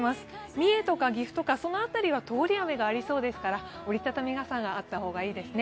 三重とか岐阜の辺りは通り雨がありそうですから、折り畳み傘があった方がいいですね。